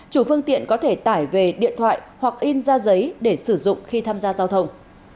chủ phương tiện có thể tải về điện thoại hoặc in ra giấy để sử dụng khi tham gia giao thông